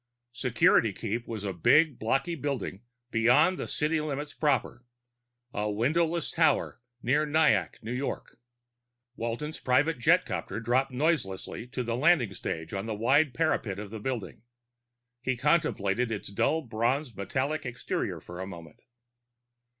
Security Keep was a big, blocky building beyond the city limits proper, a windowless tower near Nyack, New York. Walton's private jetcopter dropped noiselessly to the landing stage on the wide parapet of the building. He contemplated its dull bronze metallic exterior for a moment.